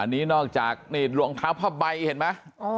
อันนี้นอกจากดวงพร้อมภาพใบเห็นไหม